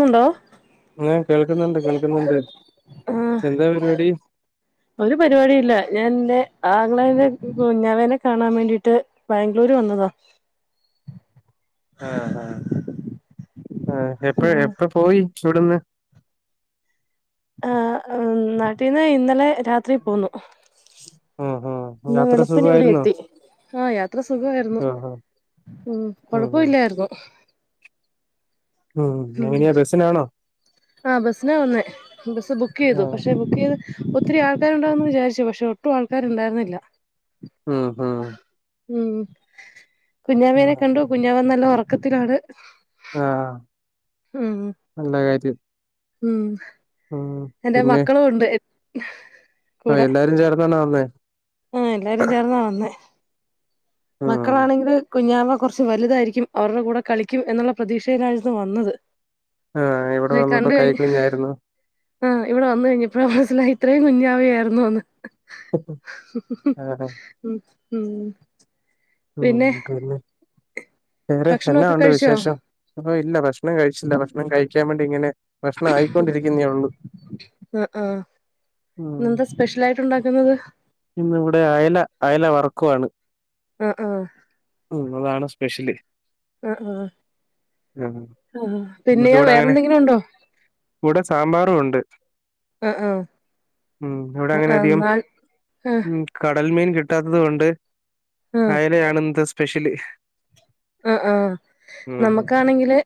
എണ്ടോ കേൾക്കുന്നുണ്ട് കേൾക്കുന്നുണ്ട് ആഹ് എന്താ പരിപാടി ഒരു പരിപാടി ഇല്ല ഞാൻ ന്റെ ആങ്ങളേനെ കുഞ്ഞാവേനെ കാണാൻ വേണ്ടീട്ട് ബാംഗ്ലൂര് വന്നതാ. ആഹ ഹ ആ എപ്പ ഉം എപ്പ പോയി ഇവിടെന്ന് ആ നാട്ടീന്ന് ഇന്നലെ രാത്രി പോന്നു അ ആ ഇന്ന് വെളുപ്പിന് ഇവിടെ എത്തി ആ യാത്ര സുഖമായിരുന്നു ആഹ് ആഹ് ഉം കൊഴപ്പില്ലായിരുന്നു ഉം എങ്ങനെയാ ബസിനാണോ ആ ബസ്സിനാ വന്നേ ബസ്സ് ബുക്ക് ചെയ്തു ആഹ് പക്ഷെ ബുക്ക് ചെയ്ത ഒത്തിരി ആൾക്കാരുണ്ടാകൂന്ന് വിചാരിച്ചു പക്ഷെ ഒട്ടും ആൾക്കാരുണ്ടായിരുന്നില്ലാ ഉം ഉം ഉം കുഞ്ഞാവേനെ ആഹ് കണ്ടു കുഞ്ഞാവ നല്ല ഒറക്കത്തിലാണ് ആ നല്ല കാര്യം ഉം ഉം എൻ്റെ പിന്നെ മക്കളും ഉണ്ട് ആ എല്ലാരും ചേർന്നാണോ വന്നേ ആ എല്ലാരും ചേർന്നാ വന്നേ ഉം മക്കളാണെങ്കിൽ കുഞ്ഞാവ കൊറച്ച് വലുതായിരിക്കും അവരുടെ കൂടെ കളിക്കും എന്നുള്ള പ്രതീക്ഷയിലായിരുന്നു വന്നത് ആഹ് ഇവിടെ [unintelligible] വന്നപ്പോ കണ്ട് കഴിഞ്ഞ് കൈക്കുഞ്ഞായിരുന്നു ആഹ് ഇവിടെ വന്ന് കഴിഞ്ഞപ്പാ ഇത്രേം കുഞ്ഞാവയായിരുന്നോന്ന് ആഹ് ഉം ഉം പിന്നെ തന്നെ വേറെ എന്നാ ഭക്ഷണൊക്കെ ഉണ്ട് കഴിച്ചോ വിശേഷം ഓ ഇല്ലാ ഭക്ഷണം കഴിച്ചില്ലാ ഭക്ഷണം കഴിക്കാൻ വേണ്ടി ഇങ്ങനെ ഭക്ഷണം ആയിക്കൊണ്ടിരിക്കുന്നേ ഒള്ളൂ ആ ആ ഇന്നെന്താ സ്പെഷ്യലായിട്ട് ഉണ്ടാക്കുന്നത് ഇന്ന് ഇവിടെ അയല അയല വറക്കുവാണ് ആ ആ ഉം അതാണ് സ്പെഷ്യല്. ആ ആ ആഹ് ആ നമുക്ക് പിന്നെയോ ഇവിടെ വേറെ അങ്ങനെ എന്തെങ്കിലും ഉണ്ടോ? ഇവിടെ സാമ്പാറും ഉണ്ട് ആ ആ ഉം ഇവിടെ ആ അങ്ങനെ ആ അധികം നാൾ ആ ക കടൽ മീൻ കിട്ടാത്തത് കൊണ്ട് ആ അയിലയാണ് ഇന്നത്തെ സ്പെഷ്യല്. ആ ആ ഉം ഉം നമുക്കാണെങ്കില്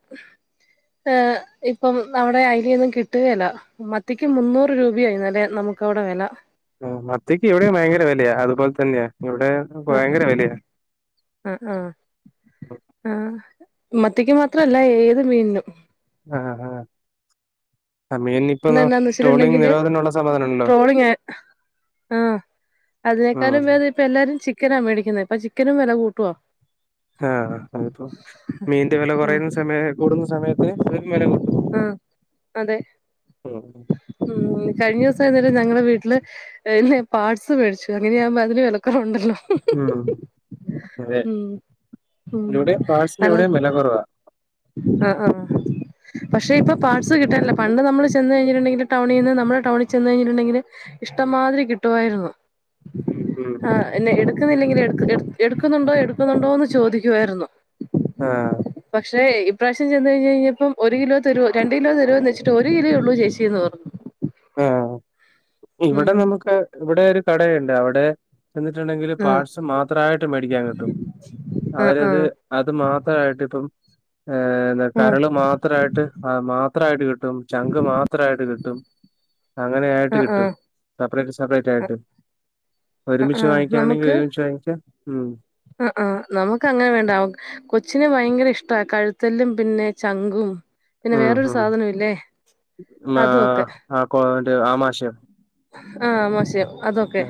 ഇപ്പം അവിടെ അയിലയൊന്നും കിട്ടുകേലാ മത്തിക്ക് മുന്നൂറ് രൂപയാ. ഇന്നലെ നമുക്ക് അവിടെ വെല. ആ മത്തിയ്ക്ക് ഇവിടെയും ഭയങ്കര വിലയാ. അതുപോലെ തന്നെ ആ ആ ആ ആ മത്തിക്ക് മാത്രല്ല ഏത് മീനിനും. ആ ആ അ മീനിന് ഇപ്പൊ ഒന്ന് എന്നാന്ന് ട്രോളിങ് വെച്ചിട്ടുണ്ടെങ്കില് നിരോധനമുള്ള സമയാണല്ലോ. ആ അതിനേക്കാളും ബേധം ഇപ്പ എല്ലാരും ചിക്കനാ മേടിക്കുന്നെ അപ്പൊ ചിക്കനും വെല കൂട്ടുവാ. ആ അപ്പോ മീന്റെ വെല ആഹ് കൊറയുന്ന സമയായപ്പോ കൂടുന്ന സമയത്ത് വില കൂട്ടും. ആ അതെ ഉം കഴിഞ്ഞ ദെവസം ഞ വീട്ടില് പാട്സ് മേടിച്ചു അങ്ങനെയാവുമ്പോ അതിന് വെലക്കൊറവുണ്ടല്ലോ. ഉം അതെ. ഉം ഇവിടേം പാട്‌സലിന് വെല കൊറവാ. ആ ആ പക്ഷെ ഇപ്പൊ പാർട്സ് കിട്ടാനില്ലാ പണ്ട് നമ്മള് ചെന്ന് കഴിഞ്ഞാ ണ്ടെങ്കില് ടൗണീന്ന് നമ്മുടെ ടൗണിൽ ചെന്ന് കഴിഞ്ഞിട്ടുണ്ടെങ്കില് ഇഷ്ടംമാതിരി കിട്ടുമായിരുന്നു. ഉം ഉം ആ എന്നെ എടുക്കുന്നില്ലെങ്കി എടുക്കുന്നുണ്ടോ- ടുക്കുന്നുണ്ടോന്ന് ചോദിക്കുവായിരുന്നൂ. ആ പക്ഷേ ഇപ്രാവശ്യം ചെന്ന് കഴിഞ്ഞപ്പം ഒരു കിലോ തരോ രണ്ട് കിലോ തരോന്ന് ചോദിച്ചിട്ട് ഒരു കിലോയുള്ളൂ ചേച്ചി എന്ന് പറഞ്ഞ്. ആഹ് ഇവിടെ നമുക്ക് ഇവിടെ ഒരു കടയുണ്ട് അവിടെ ചെന്നിട്ടുണ്ടെങ്കില് ആഹ് പാട്സ് മാത്രമായിട്ട് മേടിക്കാൻ കിട്ടും. ആഹ് അവരത് ആഹ് അത് മാത്രമായിട്ട് ഇപ്പം ഏ ഉം കരള് മാത്രയിട്ട് മാത്രയിട്ട് കിട്ടും ചങ്ക് മാത്രയിട്ട് കിട്ടും. അങ്ങനെ ആയിട്ട് ആഹ് കിട്ടും. ആഹ് സെപ്പറേറ്റ് സെപ്പറേറ്റ് ആയിട്ട്. ആഹ് ഒരുമിച്ച് വാങ്ങിക്കാണെങ്കി ഒരുമിച്ച് വാങ്ങിക്കാം. ഉം ആ ആഹ് നമുക്ക് അങ്ങനെ വേണ്ട കൊച്ചിനെ ഭയങ്കര ഇഷ്ടാ കഴുത്തല്ലും പിന്നെ ചങ്കും. പിന്നെ ഉം വേറൊരു ഉം സാധനം ഇല്ലേ മാ അതും ഒക്കെ ആ ആമാശ ആഹ് മോശം അതൊക്കെ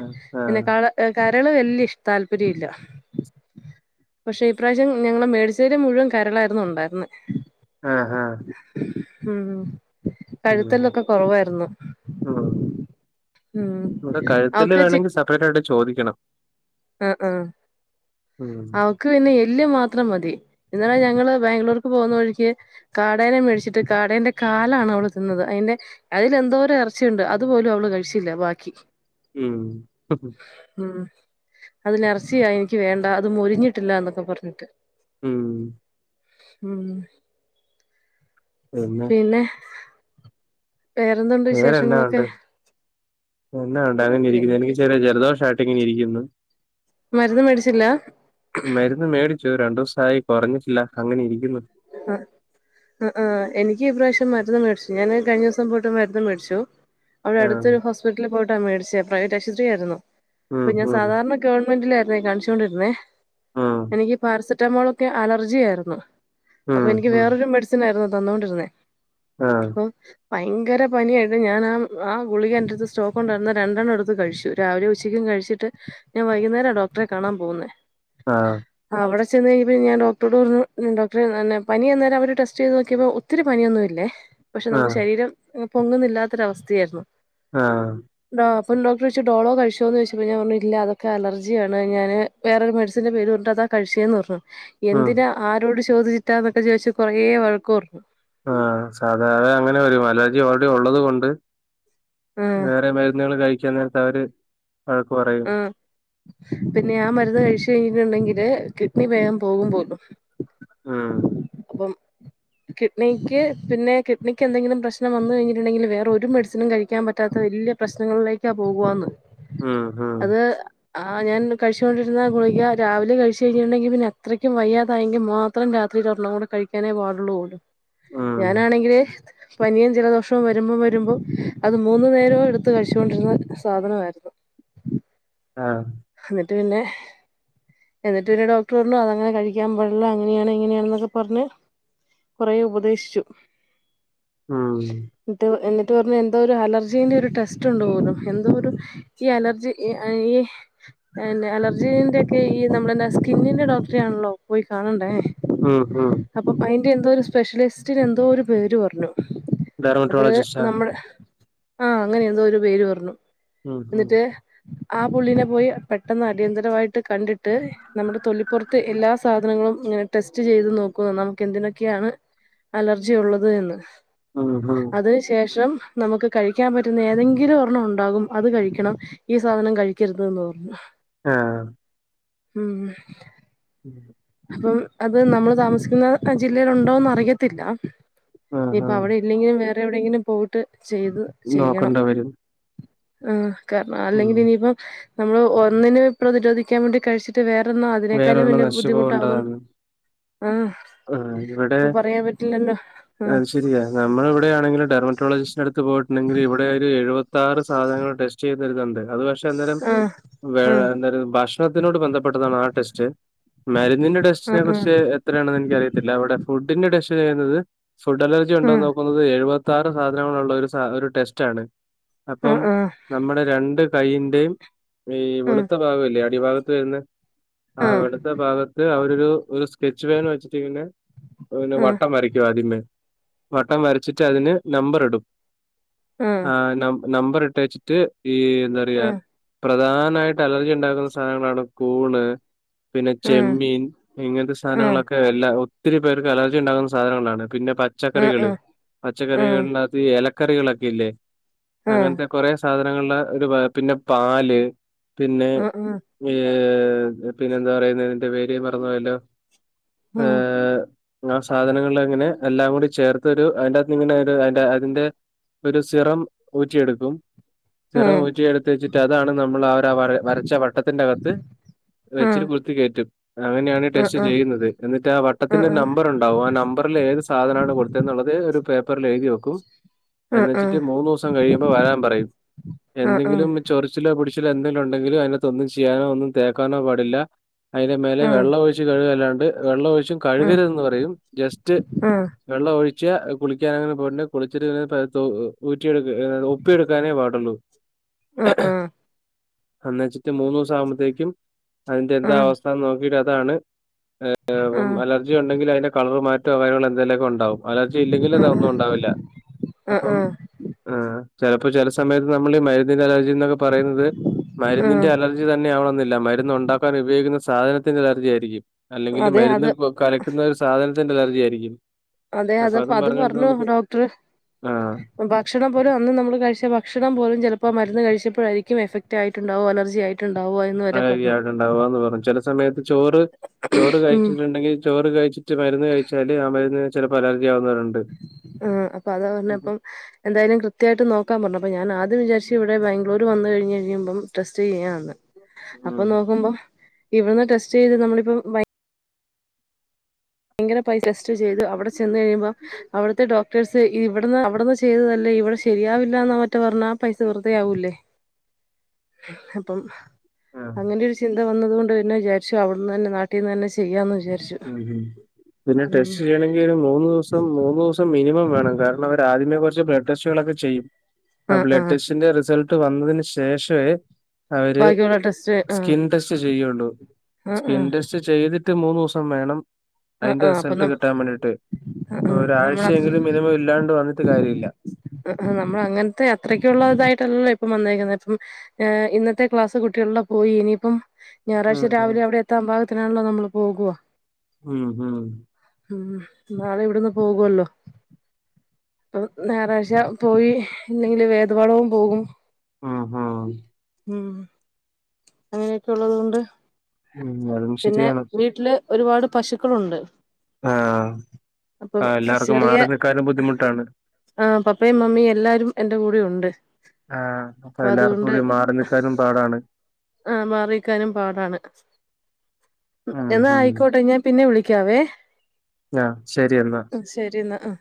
പിന്നെ ആഹ് കാ ലെ കെ മരികൾ വല്ല്യ ഇഷ്ട താല്പര്യംല്ല. [unintelligible] പക്ഷെ ഈപ്രാവശ്യം ഞങ്ങള് മേടിച്ചേല് മുഴുവൻ കരളായിരുന്നു ഉണ്ടായിരുന്നേ. ആഹ് ആഹ് മ്മ് ഉം കഴുത്തല്ലൊക്കെ കൊറവായിരുന്നു. ഇവടെകഴുത്തെല്ല്‌വേണങ്കി സെപ്പറേറ്റ് ആയിട്ട് ചോദിക്കണം. ആഹ് ആഹ് ഉം അവക്ക് പിന്നെ എല്ല്മാത്രം മതി. ഇന്നാള്ഞങ്ങള് ബാംഗ്ലൂർക്ക് പോകുന്ന വഴിക്ക് കാടേനെ മേടിച്ചിട്ട് കാടേന്റെ കാലാണ് അവള് തിന്നത്. പിന്നെ അതിലെന്തോരം ഇറച്ചിയുണ്ട് അത്പോലും അവള് കഴിച്ചില്ല ബാക്കി മ് അതില ഇറച്ചിയാ എനിക്ക് വേണ്ട അത് മൊരിഞ്ഞിട്ടില്ല എന്നൊക്കെ പറഞ്ഞിട്ട് ഉം മ് പിന്നെ വേറെന്തുണ്ട് വേറെന്താ വിശേഷങ്ങളൊക്കെ ഉണ്ട് എന്നാ ഉണ്ട് അങ്ങനെ ഇരിക്കുന്നത് എനിക്ക് ചെറിയ ജലദോഷായിട്ട് എങ്ങനെ ഇരിക്കുന്നു മരുന്ന് മേടിച്ചില്ല മരുന്ന് മേടിച്ചു രണ്ടു ദിവസായി കെറഞ്ഞിട്ടില്ല അങ്ങനെ ഇരിക്കുന്നു ആഹ ആ് ആ് എനിക്ക്ഈ പ്ര്രാവശ്യം മരുന്ന് മേടിച്ചു ഞാന് കഴിഞ്ഞോ സം പോയിട്ട് മരുന്ന് മേടിച്ചു. അയുടെ ആഹ് അട്ത്തൊരു ഹോസ്പിറ്റെൽ പോയിട്ടാ മേടിച്ചെ പ്രൈവറ്റ് ആശുപത്രിയായിരുന്നു. ഉം അപ്പൊ ഞാൻ ഉം സാധാരണ ഗവൺമെന്റിലായിരുന്നേ കാണിച്ചൊണ്ടിരുന്നെ ഉം എനിക്ക് പാരസ... സനമോൾക് അലർജി ആയിരുന്നു അപ്പൊ ഉം എനിക്ക് ഉം വേറൊരു മെഡിസിൻ ആയിരുന്നു തന്നൊണ്ടിരുന്നേ. ആഹ് ആ ഭയങ്കര പനിയായിര്ന്ന്ഞാൻ ആ ഗുളിക എന്റെ അടുത്ത് സ്റ്റോക്ക് ഉണ്ടായിരുന്ന രണ്ടെണ്ണം എടുത്ത് കഴിച്ചു രാവിലെ ഉച്ചക്ക... [inaudible] കഴിച്ചിട്ട് ഞാൻ വൈകുന്നേരാ ഡോക്ടറെ കാണാൻ പോവുന്നേ ആഹ ചെന്ന് കഴിഞ്ഞപ്പോ ഞൻ ഡോടോട് പറഞ്ഞുഡോടറെഞാ... പനി അന്നേരം അവര് ടെസ്റ്റ് ചെയ്ത് നോക്കിയപ്പോൾ ഒത്തിരി പനിയൊന്നുമില്ലേ പക്ഷെ നമുക്ക് ആഹ് ശരീരം പൊങ്ങുന്നില്ലാത്തൊരവസ്ഥയായിരുന്നു ആഹ് പോഡോക്ടർ ചോയിച്ച്ഡോളോ കഴിച്ചോ ചോയിച്ചപ്പോ ഞാൻ പറഞ്ഞ് ഇല്ലഅതൊക്കെ അലജിയാണ്ഞാൻ വേറെ രു മെഡസിൻ് പേര് പറഞ്ഞിട്ട്താ.... കഴച്ചെന്ന് പർണു ഉം എന്തിനാ ആരോട് ചോദിച്ചിട്ടാന്നൊക്കെ ചോയിച്ചു കൊറെ വഴെക്ക് പർണു. ആഹ സാധാര അത് അങ്ങനെ വരു അർജി ഓൾഡറി ഉള്ളതൊണ്ട്. ആഹ് വേറെ മരുന്നുകെൾ കഴിക്കുന്നെട്ത്ത് അവെര്. ആഹ പിന്നെ ആ മരുന്ന് കഴിച്ചു കഴിഞ്ഞ്.... ണ് ഇണ്ടെങ്കിൽ കിഡ്നി വേകം പോകുംമ്പോലും. ഉം പ്പം കിഡ്നിക്ക് പിന്നെ കിഡ്നിക്ക് എന്തെങ്കിലും പ്രശ്നം വന്ന് കഴിഞ്ഞിട്ട് ഇണ്ടെങ്കിൽ വേറെ ഒരു മെഡ്സിനും കഴിക്കാൻ പറ്റാത്ത വല്ല്യ വല്യ പ്രശ്നങ്ങളിലേക്കാ പോ കോന്ന്. മ് അത് ആ ഞാൻ കിച്ചോണ്ടിരുന്ന കുളിക രാവിലെ കഴിച്കഴിഞ്ഞിണ്ടെങ്കിൽ പിന്നെ അത്രക്കും വയ്യാത ആായങ്കിമാത്രം രാ... ഒരെണ്ണം കൂടെ കഴിക്കാനേ പാടുള്ളൂ ഉം ഞാനാണെങ്കിലേ പനിയും ജലദോഷവും വരുമ്പം വരുമ്പോം അത് മൂന്നു നേരവും എടുത്ത് കഴിച്ചുണ്ടിരുന്ന സാധനമായിരുന്നു. ആഹ് എന്നിട്ട് പിന്നെ എന്നിട്ട് പിന്നെ ഡോക്ടർ പറഞ്ഞു അതങ്ങനെ കഴിക്കാൻ പാടില്ല അങ്ങനെയാണ് ഇങ്ങനെയാണെന്നൊക്കെ പറഞ്ഞ്.. കൊറെ ഉപദേശിച്ചു ഉം ന്നെട്ട് എന്നി പറഞ്ഞഞ് എന്തോ ഒരു അലർജീ്ന്റെ ഒരു ടെസ്റ്റ് ഉണ്ട് പോലും. എന്തോ ഒരു ഈ അലർജി ഈ പി അലർജീന്റെ ഒക്കെ ഈ നമ്മളന്ന സ്കിന്നിന്റെ ഡോക്ടറെ ആണല്ലോ പോയി കാണണ്ടേ. ആഹ് ഹഹ അപ്പം അതിൻ്റെ എന്തോ ഒരു സ്പെഷ്യലിസ്റ്റിന് എന്തോ ഒരു പേര് പറഞ്ഞു അത് ഡെർമറ്റോളജിസ്റ്റാ നമ്മുടെ ആഹ് അങ്ങനെ എന്തോ ഒരു പേര് പറഞ്ഞു. ഉം ഹ എന്നിട്ട് ആ പുള്ളീനെ പോയി പെട്ടെന്ന് അടിയന്തരമായിട്ട് കണ്ടിട്ട് നമ്മുടെ തൊലിപ്പുറത്തെ എല്ലാ സാധനങ്ങളും ടെസ്റ്റ് ചെയ്ത് നോക്ക നമുക്ക് എന്തിനൊക്കെയാണ് അലർജി ഉള്ളത് എന്ന്. ഉം ഉം അതിന് ശേഷം നമുക്ക് കഴിക്കാൻ പറ്റുന്ന ഏതെങ്കിലും ഒരെണ്ണം ഉണ്ടാകും. അത് കഴിക്കണം. ഈ സാധനം കഴിക്കരുത്. രുന്നർന്ന് [unintelligible] ആഹ ഉം ഉം അപ്പം അത് നമ്മൾ താമസിക്കുന്ന ജില്ലേൽ ഉണ്ടോന്ന് അറിയത്തില്ല ഇനിയിപ്പൊ ആഹ് അവിടെ ഇല്ലെങ്കിലും വേറെ എവിടെയങ്കിലും പോയിട്ട് ചെയ്ത് ചെയ്യണം നോക്കണ്ട വരും ആ കാരണം ഉം അല്ലെങ്കിൽ ഇനിയിപ്പം നമ്മള് ഒന്നിന് പ്രതിരോധിക്കാൻ വേണ്ടി കഴിച്ചിട്ട് വേറെ- അതിനേക്കാും വല്യ ബുദ്ധിമുട്ട് ആഹ ആ ഇവിടെ ഇപ്പൊ പറയാൻ പറ്റില്ലല്ലോ ആഹ് അത് ശരിയാ നമ്മൾ ഇവിടെയാണെങ്കിലും ഡെർമറ്റോളജിസ്റ്റന്റെ അടുത്ത് പോയിട്ടുണ്ടെങ്കിൽ ഇവിടെ ഒരു എഴുപത്തി- പത്താറ് സാധനൾ ടെസ്റ്റ് ചെയ്യരുന്നുണ്ട് അത് പക്ഷെ അന്നേരം ആഹ് ോട് ബന്ധപ്പെട്ടത ടെസ്റ്റ് മിന്റെ ടെസ്റ്റിനെ ആഹ് കുറിച്ച് ആഹ് എത്ര- അവിടെ ഫുഡിന്റെ ടെസ്റ്റ് ചെയ്യുന്നത് ഫുഡ് അലർജി ആഹ് ഉണ്ടോന്ന് നോക്കുന്നത് എഴുപ- സാധനങ്ങളള്ള ഒരു ഒരു ടെസ്റ്റ് ആണ് അപ്പം ആഹ് നമ്മുടെ രണ്ട്- കയ്യിന്റെയും ഈ ആഹ് വെളുത്ത ഭാഗം അല്ലേ അടിഭാഗത്ത് വരുന്ന- ആ ആഹ് ഇവിടുത്തെ ഭാഗത്ത് അവരരു ഒരു സ്കെച്ച് പേൻ വെച്ചിട്ടിങ്ങനെ- ആഹ് വട്ടം വരയ്ക്കുവ ആദ്യമേ വട്ടം വരച്ചിട്ട് അതിന് നമ്പർ ഇടും ആഹ് ആഹ നമ്പർ ഇട്ട വെച്ചിട്ട് ഈ എന്താ പറയാ പ്രധാനമായിട്ട് അലർജി ഉണ്ടാക്കുന്ന സാധനങ്ങളാണ് കൂണ് പിന്നെ ആഹ് ആഹ് ചെമ്മീൻ ഇങ്ങനത്തെ സാധനങ്ങളൊക്കെ എല്ലാ ഒത്തിരി പേർക്ക് അലർജി ഉണ്ടകുന്ന സാധനങ്ങളാണ് പിന്നെ ആഹ് പച്ചക്കറികൾ ആഹ് ആഹ് ആഹ് ആഹ് ആഹ് ആഹ് പച്ചക്കറികളിനകത്ത- പച്ചക്കറികളൊക്കെ ഇല്ലേ അങ്ങനത്തെ കുറെ സാധനങ്ങളുള്ള ഒരു പിന്നെ പാല്- പിന്നെ ഏ- ഏ പിന്നെ എന്താ പറയുന്നത് എന്റെ പേര് മറന്ന് പോയല്ലോ ആ സാധനങ്ങളൾ അങ്ങനെ എല്ലാം കൂടി ചേർത്ത് ഒരു അതിന്റെത്ത് ഇങ്ങനെ ഒരു അതിന്റെ- ഒരു സിറം ഊറ്റിയെടുക്കും ആഹ് ആഹ് ആഹ് സിറം ഊറ്റിയെടുത്ത വച്ചിട്ട് അതാണ് നമ്മൾ അവരു വര വരച്ച വട്ടത്തിന്റെകത്ത്- വെച്ചിട്ട കുത്തികയറ്റും അങ്ങനെയാണ് ടെസ്റ്റ് ആഹ് ആഹ് ആഹ് ആഹ് ആഹ് ആഹ് ആഹ് ആഹ് ആഹ് ആഹ് ആഹ് ആഹ് ആഹ് ആഹ് ആഹ് ആഹ് ചെയ്യുന്നത് എന്നിട്ട് ആ വട്ടത്തിന്റെ നമ്പർ ഉണ്ടാവും ആ നമ്പറിൽ ഏത് സാധനമാണ് കൊടുത്ത എന്നുള്ളത് ഒരു പേപ്പറിൽ എഴുതി വെക്കും എന്ന വെച്ചിട്ട് മൂന്ന് ദിവസം കഴിയുമ്പോ വരാൻ പറയും എന്തെങ്കിലും ചൊറിച്ചില പൊടി- എന്തെില ഉണ്ടെങ്കിലും അതിനകത്ത് ഒന്നും ചെയ്യാനോ ഒന്നും തേക്കാനോ പാടില്ല അതിന്റെ മേലെ വെള്ള ഒഴച്ച് കഴിവുക അല്ലാണ്ട് വെള്ള ഒഴിച്ച്- കഴുകരുതു എന്ന് പറയും ജസ്റ്റ് വെള്ള- ഉച്ച കുളിക്കാനങ്ങനെ പോയിട്ടണ്ട് കുളിച്ചിട്ട് ഊറ്റിയെടു ഒപ്പിയെടുക്കാനേ പാടുുള്ളൂ ആഹ ആഹ അന്ന് വെച്ചിട്ട് മൂന്ന ദിവസം ആവുമ്പഴത്തേക്കും അതിന്റെ എന്താ അവസ്ഥന്ന് നോക്കിട്ട് അതാണ്- അലർജി ഉണ്ടെങ്കിൽ അതിന്റെ കളർ മാറ്റം ഉപോയോഗ- ഇലൊക്കെ ഉണ്ടാവും അലർജി ഇല്ലെങ്കിൽ അതൊന്നും ഉണ്ടാവില്ല ആഹ് അപ്പം ചിലപ്പോ - ഇപ്പ ചില സമയത്ത് നമ്മള് ഈ മരുന്നിന്റെ കാര്യ പറയുന്നത് മരുന്നിന്റെ ആഹ് അലർജി തന്നെ ആവണം എന്നില്ല മരുന്നുണ്ടാക്കാൻ ഉപയോഗിക്കുന്ന- സാധനത്തിന്റെ അലർജി ആയിരിക്കും അല്ലെങ്കിൽ അതെ അത് മരുന്ന് കലക്കുന്ന ഒരു സാധനത്തിന്റെ അലർജി ആയിരിക്കും അതെ അപ്പൊ അതപ്പ അതും അത് പറഞ്ഞുകൊണ്ട് പറഞ്ഞു നമുക്ക് ഡോക്ടർ ആഹ് ഭക്ഷണം പോലും അന്ന് നമ്മള് കഴിച്ച ഭക്ഷണം പോലും ചിലപ്പോ മരുന്ന് കഴിച്ചപ്പോഴായിരിക്കും- ക്കും എഫക്ട് ആയിട്ടുണ്ടാവും അലർജി ആയിരിക്കും ആ അവിണ്ടാവുകാന്ന് പറഞ്ഞു ചില സമയത്ത് ചോറ്- ചോറ് ഉം കഴിച്ചിട്ടുണ്ടെങ്കിൽ ചോറ് കഴിച്ചിട്ട് മരുന്ന് കഴിച്ചാല് ആ മരുന്ന്- ആ അപ്പൊ അതാ പറഞ്ഞപ്പം എന്തായാലും കൃത്യായിട്ട് നോക്കാൻ പറഞ്ഞു അപ്പൊ ഞാൻ ആദ്യം വിചാരിച്ച്- ഇവിടെ ബാംഗ്ലൂർ വന്ന കഴിഞ്ഞ് കഴിയുമ്പം ടെസ്റ്റ് ചെയ്യാന്ന് അപ്പൊ ഉം. നോക്കുമ്പോ- ഇവിടന്ന് ടെസ്റ്റ് ചെയ്ത് നമ്മളിപ്പം വൈ ഭയങ്കര പൈസ ടെസ്റ്റ് ചെയ്തു അവിടെ ചെന്ന് കഴിയുമ്പം അവിടത്തെ ഡോക്ടേഴ്സ് ഇവിടുന്ന് അവിടുന്ന് ചെയ്തല്ലേ ഇവിടെ ശരിയാവില്ല എന്നോ മറ്റോ പറഞ്ഞാ ആ പൈസ വെറുതയാവൂല്ലേ അപ്പം ആഹ് അങ്ങനെയൊരു ചിന്ത വന്നത് കൊണ്ട് പിന്നെ വിചാരിച്ചു അവിടുന്ന് തന്നെ നാട്ടിൽ നിന്ന് തന്നെ ചെയ്യാന്ന് വിചാ ഉം പിന്നെ ടെസ്റ്റ് ചെയ്യണമെങ്കിൽ ഒരു മൂന്ന് ദിവസം മൂന്ന് ദിവസം മിനിമം വേണം കാരണം അവരാ ആദ്യമേ കുറച്ച് ബ്ലഡ് ടെസ്റ്റുകളൊക്കെ ചെയ്യും ആ ആഹ് ബ്ലഡ് ആഹ് ടെസ്റ്റിന്റെ റിസൾട്ട് വന്നതിന് ശേഷവേ ബാക്കി ഉള്ള ടെസ്റ്റ്‌ സ്കിൻ ടെസ്റ്റ് ചെയ്യുള്ളൂ ആഹ് സ്കിൻ ആഹ് ടെസ്റ്റ് ചെയ്തിട്ട് മൂന്ന് ദിവസം വേണം ആഹ് അതിന്റെ ആഹ് അപ്പൊ റിസൾട്ട് നം കിട്ടാൻ വേണ്ടിയിട്ട് ആഹ് ആഹ് നമ്മള ഒരാഴ്ചയെങ്കിലും മിനിമം ഇല്ലാണ്ട് വന്നിട്ട് കാര്യല്ല നമ്മള് അങ്ങനത്തെ അത്രക്ക ഉള്ളതായിട്ടല്ലല്ലോ പ്പ ഇപ്പം വന്നേരിക്ക ഇപ്പം ഏ ഇന്നത്തെ ക്ലാസ് കുട്ടികളുടെ പോയി ഇനിയിപ്പം ഞായറാഴ്ച ഉം രാവിലെ അവിടെ എത്താൻ പാകത്തിനാണല്ലോ നമ്മള് പോകുവാ മ് മ് ഉം നാളെ ഇവിടുന്ന് പോകുവല്ലോ അപ്പ ഞായറാഴ്ച പോയി ഇല്ലെങ്കില് വേദ് വളവും പോകും ആഹ് ഹാ ഉം അങ്ങനെയൊക്കെ ഉള്ളത് കൊണ്ട് ഉം, അതും പിന്നെ ശരിയാണ് വീട്ടില് ഒരുപാട് പശുക്കളുണ്ട് ആഹ് അപ്പം ആ എല്ലാവർക്കും മാറി നിക്കാനും ബുദ്ധിമുട്ടാണ് ആ പപ്പയും മമ്മിയും എല്ലാരും എന്റെ കൂടെ ഉണ്ട് ആഹ് അപ്പൊ എല്ലാർക്കും കൂടി മാറി നിൽക്കാനും പാടാണ് ആ മാറിനിക്കാനും പാടാണ് ഉം എന്നാ ആയിക്കോട്ടെ ഞാൻ പിന്നെ വിളിക്ക് ക്കാവേ ആഹ് ആ ശെരിന്നാ ആ